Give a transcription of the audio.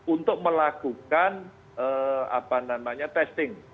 untuk melakukan apa namanya testing